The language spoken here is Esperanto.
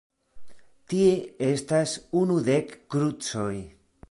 Tie estas unu-dek krucoj.